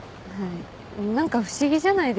何か不思議じゃないですか？